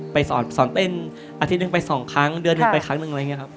สอนเต้นอาทิตย์หนึ่งไปสองครั้งเดือนหนึ่งไปครั้งหนึ่งอะไรอย่างนี้ครับ